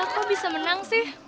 kak kok bisa menang sih